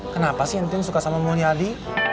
kenapa sih entin suka sama mulyadi